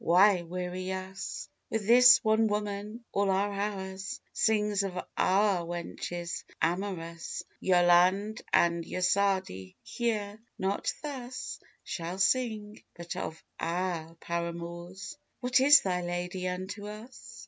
why weary us With this one woman all our hours! Sing of our wenches! amorous Yolande and Ysoarde here! Not thus Shalt sing, but of our paramours! What is thy Lady unto us!"